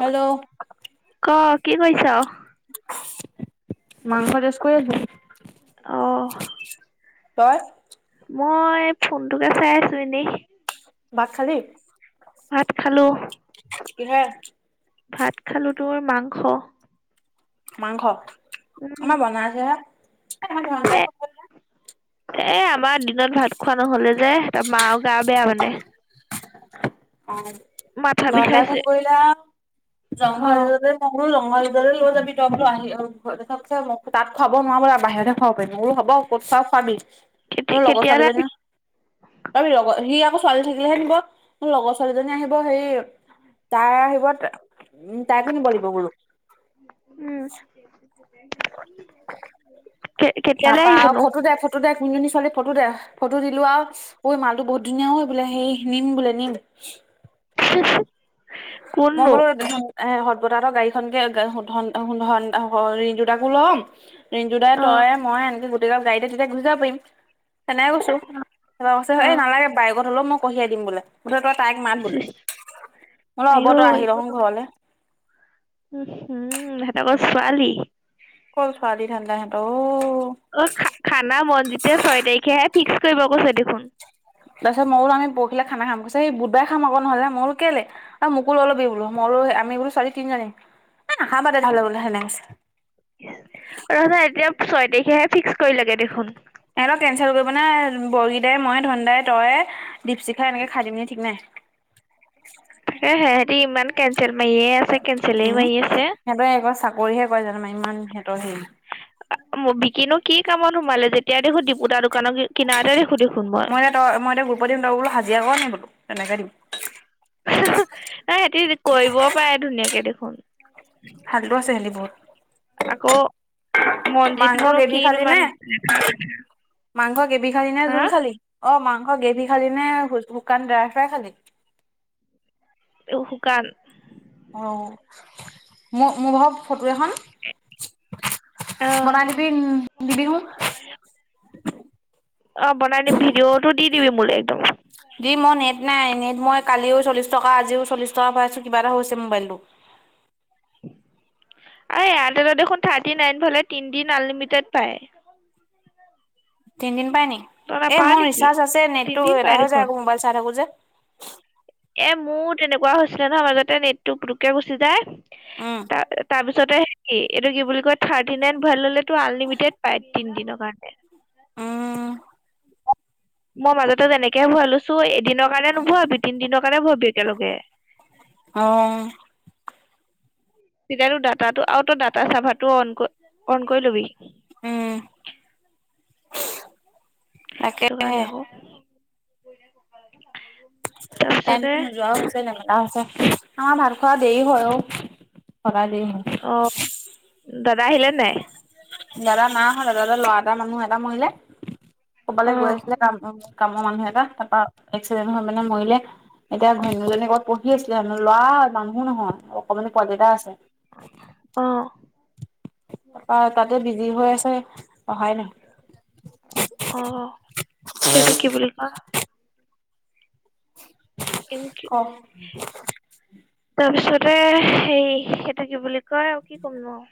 Hello অ কি কৰিছ মাংস টেষ্টছ কৰি আছোঁ অহ, ত ই মই ফোনটোকে চাই আছো এনেই ভাত খালি ভাত খালো, কিহে ভাত খালো তোমাৰ মাংস মাংস উম, আমাৰ বনাইছেহে এ এ আমাৰ দিনত ভাত খোৱা নহলে যে তাৰ মা গা বেয়া মানে মাথা অ ধডা ফোন বিষাইছে কিলা অ', জংঘল ম [unintelligible] লৈ যাবি তই বোলো আহি তাত খুৱাব নোৱাৰ আৰু বাহিৰতে খাব পাৰি মোৰো হ'ব চফামি [unintelligible] কেতি মোৰ লগৰ কেতিয়ালে ছোৱালীজনীাপি লগৰ সি আকৌ ছোৱালী থাকিলে হেনিব মোৰ লগৰ ছোৱালীজনী আহিব সেই তাই আহিব উম, তাই কো নিব লিব বোলো উম, কে কেতিয়ালে তাৰপা আৰু আহিবনো? ফটো দোই ফটো দে কোনজনী ছোৱালী ফটো দো ফটো দিলো আৰু ঐ মালটো বহুত ধুনীয়া ঐ বোলে সেই নিম বোলে নিম মই কোননো? বোলো এ সদ বতাতৰ গাড়ীখনকে ধন ধন ঋণ দুটাকো ল'ম ৰিজু দাই অ', তই মই এনেকে গোটেই গাল গাড়ীতে তেতিয়া গুচি যাব পাৰিম তেনেকাই কৈছো, তা কৈছে এই অ', নালাগে বাইকত হলেও মই কঢ়িয়াই দিম বোলে বোধে তই তাইক মাত ইচ বোলে ইচ নোল হ'ব তই আহি ল ঘৰলৈ উম, হিসতকৰ ছোৱালী অকল ছোৱালী ধান্দা ও অ', খানা মনজিৎ ছয় তাৰিখেহে ফিক্স কৰিব কৈছ দেখোন। তাৰ পিছত মো আমি পৰহিলে খাম কৈছে স বুবাই খাম আকৌ নহ'লে মোকো কেলে আৰু মোকো অল বিলো মো আমি বোলো চাৰি তিনিজনি হ বা দে ভাল বলে সেনে কৈছে। ৰচো এতিয়া ছয় তাৰিখেহে ফিক্স কৰি লাগে দেখোন। এত কেচেল কৰিব নে বৰগীদাই মই ধন দাই তই দীপচিখা এনেকৈ খাই দিমনে ঠিক নাই। [inaudible] তাকে সেহেতি ইমান কেঞ্চেল মাৰিয়ে আছে কেঞ্চলে মাৰি আছে। জান ম ইমান সিহতৰ হেৰি বিকিনো কি কামত সোমালে যেতিয়াই দেখোঁ দিপু দাৰ দোকানৰ কিনাৰ এতে দেখোঁ। মই এতিয়া তই মই এতিয়া গ্ৰুপত দিম তই বোলো হাজিৰা কৰা নে বোলো তেনেকে দিম। এই সিহঁতি কৰিব পাৰে ধুনীয়াকে দেখোন। ভালতো আছে সি বহুত। আকৌ মনজিত মাংস মনো গ্ৰেভি খালি নে [unintelligible] মাংস গেভি খালি নে জোল খালি? অ মাংস গেভী খালি নে শুকান ড্ৰাই ফ্ৰাই খালি। শুকান। অ', মই মোৰ ভাগৰ ফটো এখন আহ বনাই নিবি নিবি হোন। অ', বনাই নি ভিডিঅ'টো দি দিবি মোলৈ একদম। দি মই নেট নাই নেট মই কালিও চল্লিশ টকা আজিও চল্লিশ টকা পাইছো কিবা এটা হৈছে মোবাইলটো। [unintelligible] আৰে এয়াৰটেলৰ দেখোন থাৰ্টি নাইন ভৰালে তিনদিন আনলিমিটেড পাই। তিনিদিন পায় নি? এই নাপাৱ মোৰ নেকি ৰিচাৰ্জ আছে নেটটো তিনদিন পাই এদাই হৈ যায় দেখোন আকৌ মোবাইল চাই থাকোঁ যে। এ মোৰ তেনেকুৱা হৈছিলে নহয় মাজতে নেটটো পতককে গুচি যায় উম। ত তাৰপিছত হে কি এইটো কি বুলি কয় থাৰ্টি নাইন ভ ললেটো আনলিমিটেড পাই তিনি দিনৰ কাৰণে। অ মই মাজতে তেনেকেহে ভৰাই লৈছোঁ। দিনৰ কাৰণে নভৰাবি তিনি দিনৰ কাৰণে ভৰাবি একেলগে। অ' তেতিয়াতো ডাটাটো আৰু তই ডাটা চাৰ্ভাৰটো অন অন কৰি ল'বি। উম। সেইটো তাকেহে। কাৰণে আকৌ। তাৰপিছতে টাইমটো নোযোৱাও হৈছে, নেমেলা হৈছে আমাৰ ভাত খোৱা দেৰি হয়‌ অ'। অ [inaudible] দাদা আহিলে নাই? নাই দাদা দাদা লৰা এটা মানুহ এটা মৰিলে ক'বালৈ অ গৈ আছিলে কামৰ মানুহ এটা তাৰপা এক্সিডেণ্ট হৈ মানে মৰিলে। এতিয়া ঘৈনীজনী ক'ৰবাত পঢ়ি আছিলে‌ হেনো ল'ৰা মানুহো নহয় অকণমানি পোৱলি এটা আছে। অ তাপা তাতে বিজি হৈ আছে। অহাই নাই অ এইটো কি বুলি কয়? ক তাৰপিছতে সেই সেইটো কি বুলি কয় অ কি কম নো আও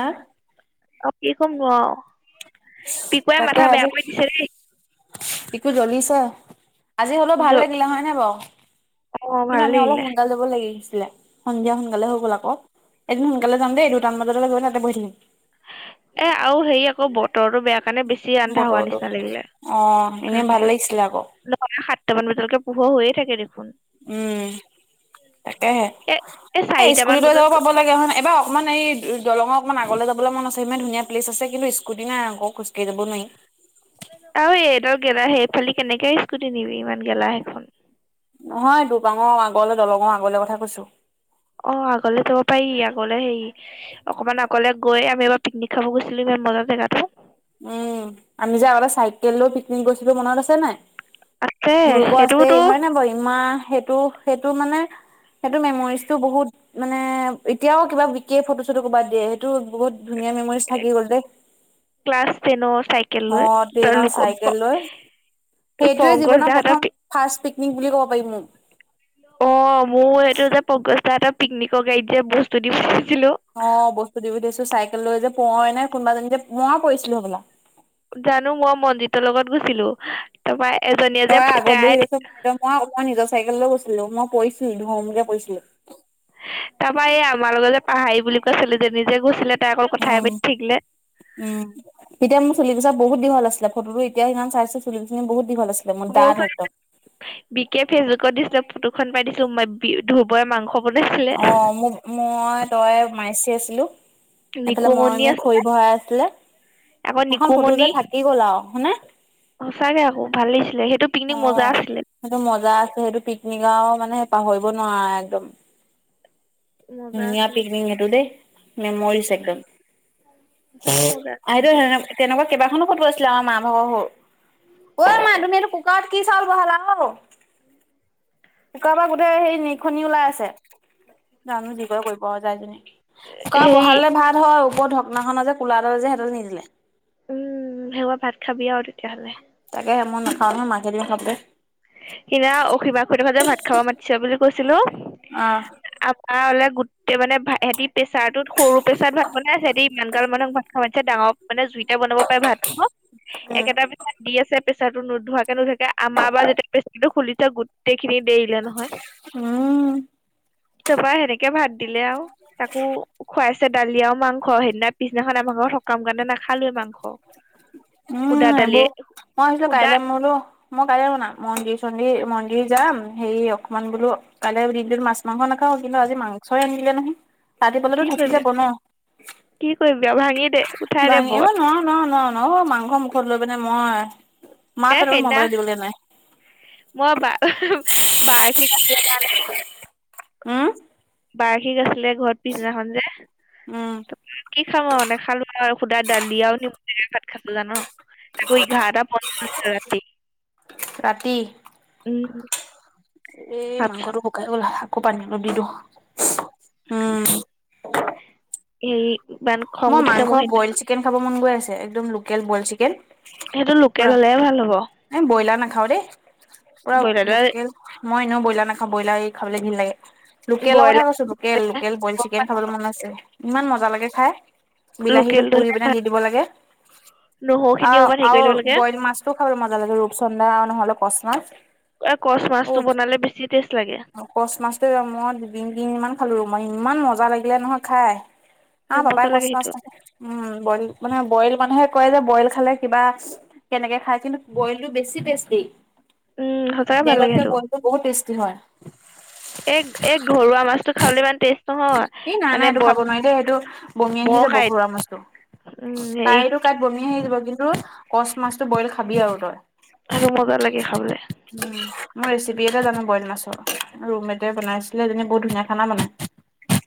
আহ আৰু কি কম নো আও? পিকুৱে তাকে মাথা আজি বেয়া কৰি দিছে দেই। পিকো জ্বলিছে আজি হ'লেও ভাল লাগিলে হয় নাই বাৰু‌? অ কিন্তু ভাল আমি অলপ লাগিলে সোনকালে যাব লাগি সন্ধিয়া সোনকালে হৈ গ'ল আকৌ। এদিন সোনকালে যাম দেই দুটা মান বজাতে গৈ তাতে বহি থাকিম। এ আৰু হেৰি আকৌ বতৰটো বেয়া সেইকাৰণে বেছি আন্ধাৰ হোৱা বতৰটো নিচিনা লাগিলে। অ এনেই ভাল সেইকাৰণে লাগিছিলে আকৌ নহ'লে সাতটা মান বজা লেকে পোহৰ হৈয়ে থাকে দেখোন। উম তাকেহে। এ এ চাৰিটামান স্কুটি লৈ যাব বজাত পাব লাগে হয় নাই? এবাৰ অকমান এই দলঙৰ অকণমান আগলৈ যাবলৈ মন আছে। ইমান ধুনীয়া প্লেচ আছে কিন্তু স্কুটি নাই আকৌ খোজকাঢ়ি যাব নোৱাৰি। আৰু এই এডাল গেলাহে এইফালি কেনেকে স্কুটি নিবি ইমান গেলাহেখন‌। নহয় দুপাঙৰ আগলৈ দলঙৰ আগলে কথা কৈছোঁ। অ আগলে যাব পাৰি আগলে হেৰি অকমান আগলে গৈ আমি এবাৰ পিকনিক খাব গৈছিলোঁ। মজা জেগাতো। উম আমি যে [unintelligible] পিকনিক গৈছিলোঁ মনত আছে নাই? আছে ধুৰব আছে সেইটোতো হয় নাই বাৰু ইমাহ সেইটো সেইটো মানে সেইটো মেমৰিজ টো বহুত মানে এতিয়াও কিবা বিকি ফটো-চটো ক'ৰবাত দিয়ে। সেইটো বহুত ধুনীয়া মেমৰিজ থাকি গ'ল দেই। ক্লাছ টেনৰ চাইকেল অ লৈ টেনৰ চাইকেল লৈ সেইটোৱে পংকজ জীৱনৰ দাহঁতৰ প্ৰথম ফাৰ্ষ্ট পিকনিক বুলি ক'ব পাৰি মোৰ অ মোৰ সেইটো যে পংকজ দা হতৰ পিকনিকৰ গাড়ীত যে বস্তু দি পঠিয়াই অ বস্তু দি পঠিয়াইছে চাইকেল লৈ যে মই নে কোনোবা এজনী যে মই পৰিছিলো হবলা জানো মই মনজিতৰ লগত গৈছিলো তাৰপৰা তই আগত বহি ৰৈছ মই মই মই নিজৰ চাইকেললৈ গৈছিলো মই পিছিলো ধমকে পৰি। তাৰপা এই আমাৰ লগত যে পাহাৰী বুলি কৈছিলো যে নিজে গৈছিলে তাই অকল কথাই উম পাতি থাকিলে। উম এতিয়া মোৰ চুলি কোছা বহুত দীঘল আছে ফটো এতিয়া সিমান চাই চুলিখিনি বহুত দীঘল আছে। মই বিকে ফেচবুকত দিছিল। ফটোখন পাই দিছো মই ধুবই মাংস বনাইছিলে। অ ম মই তই মাইচি আছিলো এইফালে নিকুমণি মৰমীয়ে আছে খৰি বহাই আছিলে। আকৌ এখন ফটো যে নিকুমণি। থাকি গ'ল আৰু হয়নে? সঁচাকে আকৌ ভাল লাগিছিলে সেইটো অ পিকনিক মজা আছিলে সেইটো মজা আছে সেইটো পিকনিক আৰু মানে সেই পাহৰিব নোৱাৰা একদম মজা ন আছিলে। পিকনিক সেইটো দেই মেমৰিছ একদম। অ সঁচাকে মজা আছিলে হ দে সেইটো তেনেকুৱা কেইবাখনো ফটো আছিলে আমাৰ মা ভাগৰ সৰু অ ম মা কুকাৰত কি চাউল বহালা অ কুকা পৰা গোটেই হেৰি নেকি খ ওলাই আছে জানো যি কৰে কৰিব যায় জনী কুকাৰ হেৰি বহালে ভাত হল। বৰ ধকনাখন আ যে ক'লা ডাল যে হাইডাল নিদিলে। উম সেও ভাত খাবি আৰু তেতিয়াহ'লে তাকে মোৰ নাখাও নহয় মাকে হেতি খাব- সিদিনা অসীমা খুৰীদেউহঁতে ভাত খাব মাতিছে অ আৰু অললে গোটেই মানে ভ সিহতি প্ৰেছাৰটোত সৰু প্ৰেছাৰত ভাত বনাইছে সিহতি ইমান কাল মানুহক ভাত খাব মাতিছে ডাঙৰ মানে জুইতে বনাব পাৰে ভাতটো একেটা পিছাত দি আছে প্ৰেছাৰটো নোধোৱাকে লৈ থাকে আমাৰ বা যেতিয়া প্ৰেছাৰটো খুলিছে গোটেইখিনিত দেৰিলে নহয়। উম তাৰপৰা সেনেকে ভাত দিলে আও, তাকো খুৱাইছে দালি আৰু মাংস সেইদিনা পিছদিনাখন আমাৰঘৰ সকাম কাৰণে নাখালোৱে মাংস। সুধা উম দালিয়ে এইবোৰ মই আছিলো সুধা কাইলৈ মোৰলো মই কাইলৈ বনাম মনদিছ ন্দিৰ মন্দিৰ যাম হেৰি অকনমান বোলো কাইলৈ দিনটোত মাছ মাংস নাখাও কিন্তু আজি মাংসই আনি লে নহয়। ৰাতিপোৱালেতো কি থাকি কৰিবি যাব ন, কি কৰিবি আৰু ভাঙি দে উঠাই [unintelligible] দে অঁ বত নোৱাওঁ নোৱাওঁ নোৱাওঁ। নহব মাংস মুখত লৈ পিনে মই মাহ এ পেটত সেইদিনা সোমাবলে দিবলে নাই। মই ব বাৰ [inaudible] উম? বাৰ্ষিক আছিলে ঘৰত পিছদিনাখন যে উম ত কি খাম আও নেখালো আও সুধা দালি আৰু নেমু টেঙাই ভাত খালো জান। তাকো এঘাৰটা পঞ্চলিছত ৰাতি। ৰাতি উম এই ভাবচোন মাংসটো শুকাই গল আও আকৌ পানী অলপ দি দিওঁ। উম এই মই মাংস বইল চিকেন খাব মন গৈ আছে, একদম লোকেল বইল চিকেন। সেইটো লোকেল হলেহে ভাল হ'ব। খাওঁ দেই, পোৰা ব্ৰইলাৰ লোকেল মই এনেও ব্ৰইলাৰ নেখাওঁ ব্ৰইলাৰ এই খাবলে ঘিণ লাগে। লোকেলৰ কথা ব্ৰইলাৰ কৈছো লোকেল লোকেল বইল চিকেন খাবলে মন আছে, ইমান মজা লাগে খায়। বিলাহীটো লোকেলটো পুৰি পিনে দি দিব লাগে। নহৰু খিনি অঁ অকমান হেৰি আৰু কৰি ল'ব লাগে বইল মাছটো খাবলে মজা লাগে ৰূপচন্দা নহলে কচ। মাছ এ কচ মাছটো বনালে বেছি টেষ্ট লাগে অ কচ মাছটো মই দুদিন, তিনিমান খালোঁ। মই ইমান মজা লাগিলে নহয় খাই। সেই আমাৰ পাপাই মজা কচ লাগে মাছ সেইটো তাকে খায়। উম বইল মানে, বইল মানুহে কয় যে, বইল খালে কিবা কেনেকে খায়। কিন্তু বইলটো বেছি টেষ্টি। উম সঁচাকে ভাল তেলত লাগে কে সেইটো বইলটো বহুত টেষ্টি হয়। এই, এই ঘৰুৱা মাছটো খাবলৈ ইমান টেষ্ট নহয়। এই নাই নাই মানে এইটো খাব নোৱাৰি দেই এইটো বমি বয়--ব আহি যাব খা ঘৰুৱা মাছটো। কাইটো কাইট বমি আহি যাব, কিন্তু কচ মাছটো বইল খাবি আৰু তই। সেটো মজা লাগে খাবলৈ। মই ৰেচিপি এটা জানোঁ বইল মাছৰ ৰোম মেটে বনাইছিলে। এইজনীয়ে বহুত ধুনীয়া খানা বনায়।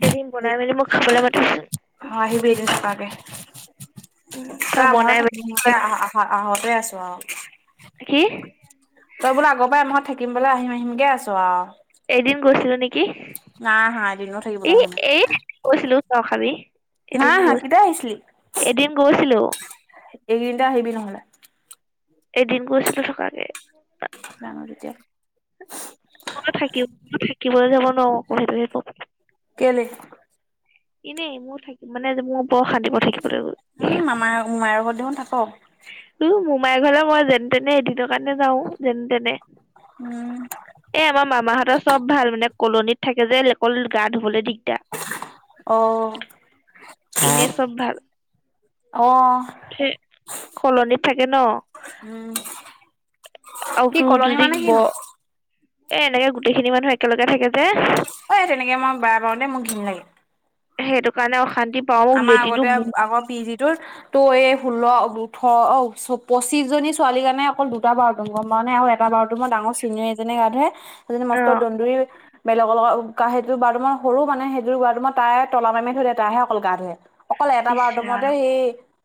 এদিন বনাই মেলি মোক খাবলৈ মাতিবিচোন। অ আহিবি এদিন থকাকে। উম, তই আমাৰ ঘৰত বনাই মেলি থাকিবি এতিয়া আহা আহা আহঁতে আছো আও। কি? তই বোলে আগৰ পৰাই আমাৰ ঘৰত থাকিবলে আহিম আহিমকে আছোঁ আৰু। এদিন গৈছিলো নেকি? নাই আহা এদিনো থাকিবলৈ এই, অহা নাই। এ গৈছিলোঁ চৰ খাবি। নাই এদিন আহা গৈ কেতিয়া আহিছিলি এদিন গৈছিলোঁ। এইকেইদিনতে আহিবি নহ'লে। এদিন গৈছিলোঁ থকাকে। জানোঁ কেতিয়া? মই থাকিব থাকিবলৈ যাব নোৱাৰো মোৰ সেইটোহে প্ৰব্লেম। কেলেই? এনেই মোৰ থাকিম মানে আজি মোৰ বৰ অশান্তি পাওঁ থাকিবলৈ গৈ। উম মামাৰ, মোমাইৰৰ ঘৰত দেখোন থাক। উ মোমাই ঘৰলৈ মই যেন তেনে এদিনৰ কাৰণে যাওঁ, যেন তেনে। উম, এ আমাৰ মামাহঁতৰ চব ভাল মানে। কলনিত থাকে যে, অকল গা ধুবলৈ দিগ অ এনে চব ভাল। অ, সে কলনিত থাকে ন? উম, আৰু কি তোৰ কলনি যদি মানে কিনো? বৰ এ এনেকে গোটেইখিনি মানুহ একেলগে থাকে যে এই তেনেকে মই বেয়া পাওঁ দে, মোক ঘিণ লাগে। সেইটো কাৰণে অশান্তি। পাওঁ মোক আমাৰ লেটিনো আগতে বহুত আগৰ পি জি তোৰ ত এই ষোল্ল, অব-ওঠৰ, অ, চব পঁচিশ জনী ছোৱালীৰ কাৰণে অকল দুটা বাটৰুম গম পাওঁ নে আৰু এটা বা বাথৰুমত ডাঙৰ চিনিয়ৰ এজনীয়ে গা ধুইয়ে, সেইজনী মস্ত অ', দন্দুুৰী বেলেগৰ লগত, উম, কা সেইটো বাটৰুমৰ সৰু মানে সেইটো বাটৰুমত তাই তলা মাৰি মাৰি থৈ দিয়ে। তাইহে অকল গা ধুৱে। অকল এটা ইচ ৰাম বাটৰুমতে সি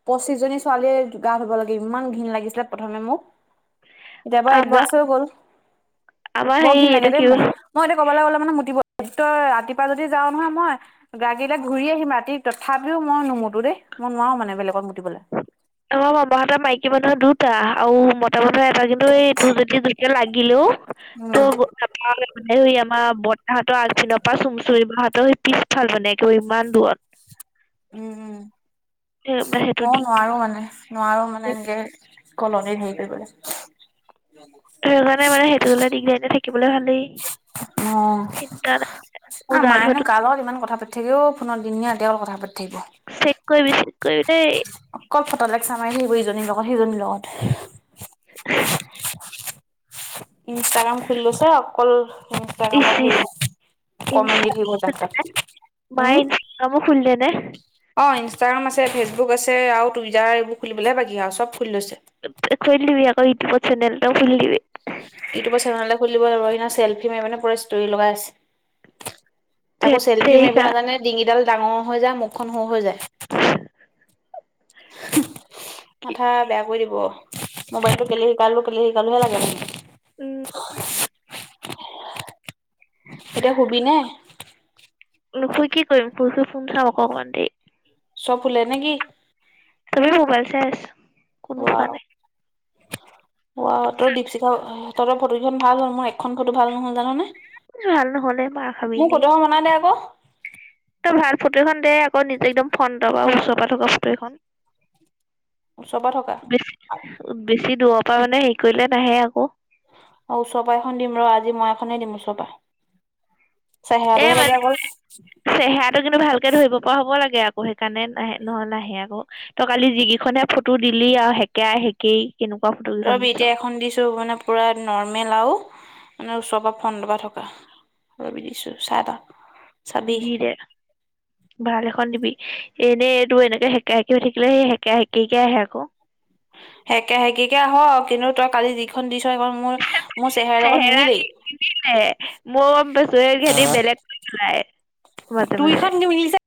পঁচিশ জনী ছোৱালীয়ে গা ধুব লাগে ইমান ঘিণ লাগিছিলে প্ৰথমে মোক। এতিয়া বাৰু আমাৰ এডজাষ্ট হৈ গ'ল। আমাৰ বৰ হেৰি ঘিণ লাগে এইটো দেই কি মোক, মই এতিয়া ক'বলৈ গ'লে মানে মুতিব তই ৰাতিপুৱা যদি যাওঁ নহয় মই, লাগিলে ঘূৰি আহিম ৰাতি তথাপিও মই নুমোতো দেই, মই নোৱাৰো মানে বেলেগত মুতিবলৈ। আমাৰ মামাহঁতৰ মাইকী মানুহৰ দুটা আৰু মতা মানুহ এটা, কিন্তু এইটো যদি জুৰ কে লাগিলেও উম তো ব [unintelligible] [unintelligible] আমাৰ বৰ তাহঁতৰ আগপিনৰ পৰা চুম চুৰি বাহঁতৰ সেই পিছফালে এনেকৈ ইমান দূৰত। উম, সেইটো ময়ো দি নোৱাৰো মানে, নোৱাৰো মানে এনেকে। কলমে নীল হৈ পৰিলে। এ থাকিবলৈ ভালেই। অ, চিন্তা নাই অ, মোৰ গা মায়েনো ধোৱাটো কাৰ লগত ইমান কথা পাতি থাকে অ ফোনত দিনে ৰাতিয়ে অকল কথা পাতি থাকিব ছেক কৰিবি ছেক কৰিবি দেই। অকল ফটা লেকছাৰ মাৰি থাকিব ইজনীৰ লগত সেইজনীৰ লগত। ইনষ্টাগ্ৰাম খুলিলৈছে অকল ইচ ইনষ্টাগ্ৰামত হেই ইচ কমেণ্ট দি ইনষ্টা থাকিব যা তাক উম, মায়ে ইনষ্টাগ্ৰামো খুলি নে অ, ইনষ্টাগ্ৰাম আছে ফেচবুক আছে আৰু টুইটাৰ এইবোৰ খুলিবলৈহে বাকি আৰু চব খুলি লৈছে কৈ দিবি আক ইউটিউবত চেনেল এটাও খুলি দিবি। ইউটিউবৰ চেনেল খুলি দিব লাগিব চেল্ফি মাৰি মানে পুৰা ষ্টৰি লগাই আছে। ধেত তাকো চেল্ফি মাৰিব তেৰিকা নাজানে ডিঙিডাল ডাঙৰ হৈ যায় মুখখন সৰু হৈ যায়। [inaudible] মাথা বেয়া কৰি দিব। মোবাইলটো কেলে শিকালো কেলে শিকালো হে লাগে। উম এতিয়া শুবি নে? নুশুই কি কৰিম শুই শুই ফোন চাম অকমান দেৰি। চব শুলে নে নেকি? তুমি মোবাইল চাই আছে কোনো শুৱা নাই। ৱা তই দিপশিখা তহঁতৰ ফটো কেইখন ভাল হ'ল মোৰ এখন ফটো ভাল নহ'ল জাননে? ভাল নহ'লে মাৰ খাবি মোক এনেই ফটো এখন বনায় দে আকৌ। তই ভাল ফটো এখন দে আকৌ নিজে একদম ফন্টৰ পৰা ওচৰপা থকা ফটো এখন। ওচৰৰ পৰা থকা বেছি দূৰৰ পৰা মানে হেৰি কৰিলে নাহে আকৌ। খনে দিম ওচৰ পৰা। এ চেহেৰাটোহে লাগে মানে অকল তোৰ চেহেৰাটো কিন্তু ভালকে ধৰিব পৰা হ'ব লাগে আকৌ সেইকাৰণে নাহে নহ'লে নাহে আকৌ ত' কালি যিকেইখনে ফটো দিলি আৰু সেকেয়া সেকি ৰবি এতিয়া এখন দিছোঁ মানে পুৰা নৰ্মেল আৰু। মানে ওচৰৰ পৰা ফোন দবায় থকা ৰ বি দিছো চা তই। দি দে ভাল এখন দিবি। এনেই এইটো এনেকে সেকা সেকি হৈ থাকিলে, সেই সেকা সেকিকে আহে আকৌ। সেকা সেকিকে আহক কিন্তু তই কালি যিখন দিছ সেইখন মোৰ মোৰ চেহেৰাৰ লগত চেহেৰা নিমিলেই [unintelligible] মোৰ বেচেৰি সেহতি বেলেগ লাই। তোৰ ইখন কি মিলিছে